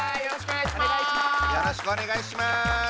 よろしくお願いします！